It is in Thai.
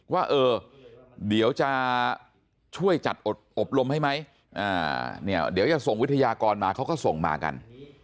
ว่าเออเดี๋ยวจะช่วยจัดอบรมให้ไหมเนี่ยเดี๋ยวจะส่งวิทยากรมาเขาก็ส่งมากัน